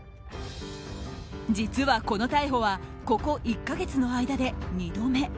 実は、この逮捕はここ１か月の間で２度目。